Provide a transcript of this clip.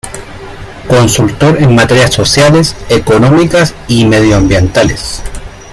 Consultor en materias sociales, económicas y medioambientales.